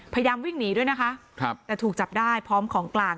พยายามวิ่งหนีด้วยนะคะครับแต่ถูกจับได้พร้อมของกลาง